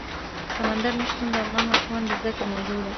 سمندر نه شتون د افغان ماشومانو د زده کړې موضوع ده.